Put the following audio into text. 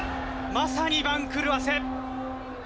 まさに番狂わせ。